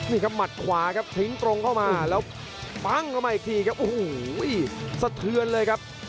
นี่ครับหมัดขวาครับทิ้งตรงเข้ามาแล้วปั้งเข้ามาอีกทีครับโอ้โหสะเทือนเลยครับ